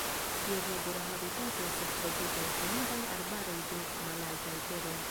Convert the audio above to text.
Ties natura habitato estas tropikaj humidaj arbaroj de malaltaj teroj.